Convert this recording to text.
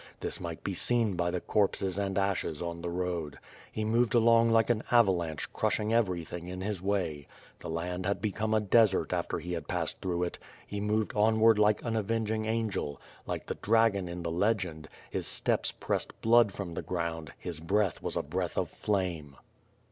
This might be seen by the corpses and ashes on the road. He moved along like an avalanche crushing everything in his way. The land had become a desert after he had passexl through it; he moved onward like an avenging angel; like the dragon in the legend, his steps pressed blood from the ground; his breath was a breath of flame.